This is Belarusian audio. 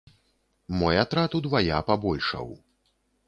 Мой атрад удвая пабольшаў.